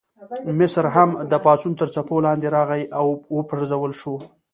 مصر هم د پاڅون تر څپو لاندې راغی او وپرځول شو.